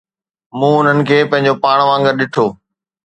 مون انهن کي پنهنجو پاڻ وانگر ڏٺو